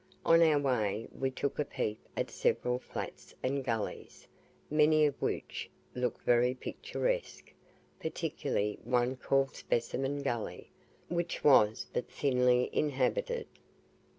On our way we took a peep at several flats and gullies, many of which looked very picturesque, particularly one called Specimen Gully, which was but thinly inhabited.